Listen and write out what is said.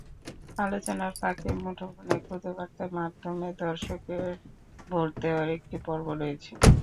আলোচনার ফাঁকে মুঠোফোনের খুদে বার্তার মাধ্যমে দর্শকের ভোট দেওয়ার একটি পর্ব রয়েছে।